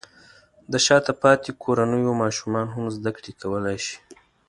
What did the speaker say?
د شاته پاتې کورنیو ماشومان هم زده کړې کولی شي.